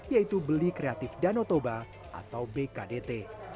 yaitu beli kreatif danotoba atau bkdt